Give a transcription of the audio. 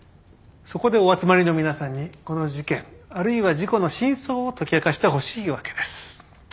そこでお集まりの皆さんにこの事件あるいは事故の真相を解き明かしてほしいわけです。